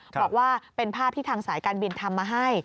บอกว่าเป็นภาพที่ทางสายการบินทำมาให้